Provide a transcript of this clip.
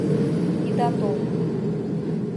— Ида тол!